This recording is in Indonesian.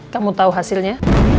kamu tahu hasilnya